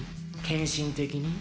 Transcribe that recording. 献身的に？